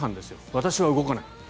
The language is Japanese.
私は動かない。